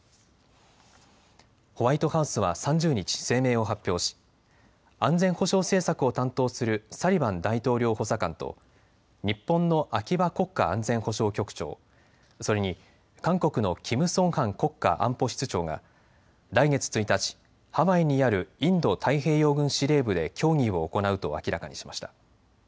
ホワイトハウスは３０日、声明を発表し安全保障政策を担当するサリバン大統領補佐官と日本の秋葉国家安全保障局長、それに韓国のキム・ソンハン国家安保室長が来月１日、ハワイにあるインド太平洋軍司令部で協議を行うと明らかにしました。